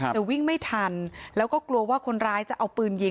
แต่วิ่งไม่ทันแล้วก็กลัวว่าคนร้ายจะเอาปืนยิง